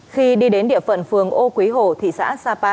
khi đi đến địa phận phường ô quý hồ thị xã sapa